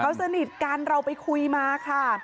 เขาสนิทกันเราไปคุยมาค่ะ